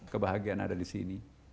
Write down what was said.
kebahagiaan ada di sini